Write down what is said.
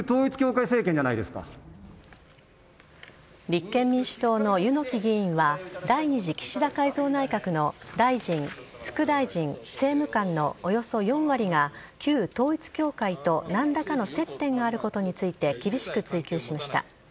立憲民主党の柚木議員は第２次岸田改造内閣の大臣、副大臣、政務官のおよそ４割が旧統一教会と何らかの接点があることについて厳しく追及しました。